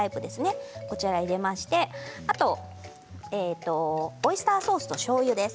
こちらを入れましてオイスターソースとしょうゆです。